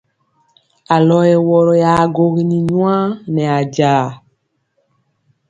Alɔ yɛ wɔrɔ ya gwogini nyuwa nɛ ajaa.